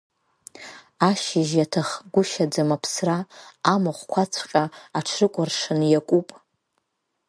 Ашьыжь иаҭахгәышьаӡам аԥсра, амахәқәаҵәҟьа аҽрыкәыршан иакуп.